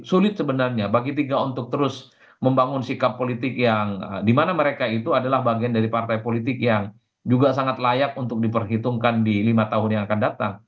sulit sebenarnya bagi tiga untuk terus membangun sikap politik yang dimana mereka itu adalah bagian dari partai politik yang juga sangat layak untuk diperhitungkan di lima tahun yang akan datang